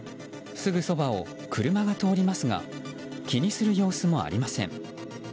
すぐそばを車が通りますが気にする様子もありません。